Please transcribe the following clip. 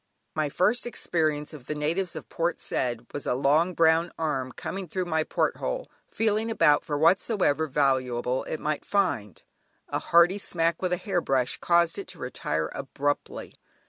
My first experience of the natives of Port Said was a long brown arm coming through my porthole, feeling about for whatsoever valuable it might find; a hearty smack with a hair brush caused it to retire abruptly.